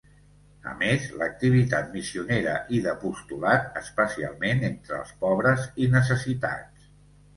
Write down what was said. A més, l'activitat missionera i d'apostolat, especialment entre els pobres i necessitats.